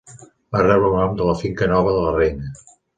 Va rebre el nom de la finca nova de la reina.